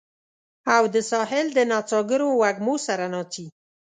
او د ساحل د نڅاګرو وږمو سره ناڅي